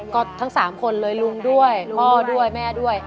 ก็ทั้ง๓คนเลยลุงด้วยพ่อด้วยแม่ด้วย